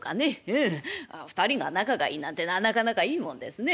うん２人が仲がいいなんてのはなかなかいいもんですね。